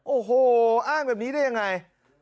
โอ้โหอ้างแบบนี้ได้ยังไง